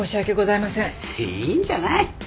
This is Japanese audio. いいんじゃない？